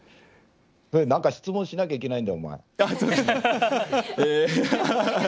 何か質問しなきゃいけないんだぞ、お前！